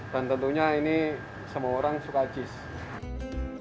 dan tentunya ini semua orang suka cheese